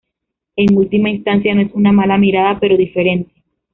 En última instancia, no es una mala mirada, pero diferente.